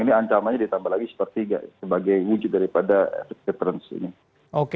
ini ancamanya ditambah lagi sepertiga sebagai wujud daripada transnation